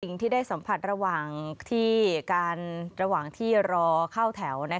สิ่งที่ได้สัมผัสระหว่างที่รอเข้าแถว